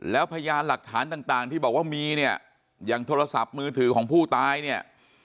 แล้วพยานหลักฐานต่างที่บอกว่ามีเนี่ยอย่างโทรศัพท์มือถือของผู้ตายเนี่ย